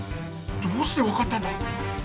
どうして分かったんだ